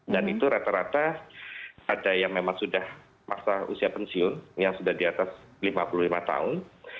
dan itu rata rata ada yang memang sudah masa usia pensiun yang sudah di atas lima puluh lima tahun